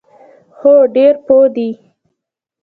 هو، ډیر پوه دي